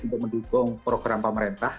untuk mendukung program pemerintah